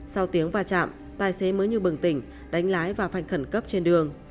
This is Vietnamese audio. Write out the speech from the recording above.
sau tiếng va chạm tài xế mới như bừng tỉnh đánh lái và phanh khẩn cấp trên đường